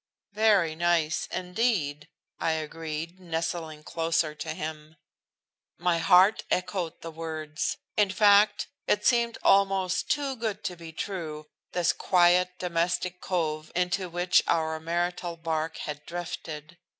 "Very nice, indeed," I agreed, nestling closer to him. My heart echoed the words. In fact, it seemed almost too good to be true, this quiet domestic cove into which our marital bark had drifted.